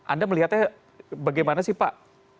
anda melihatnya bagaimana sih pak